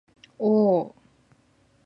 おおおおお